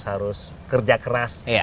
harus kerja keras